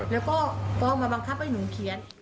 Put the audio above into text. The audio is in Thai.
แล้วก็ฟ้องมาบังคับให้หนูเขียน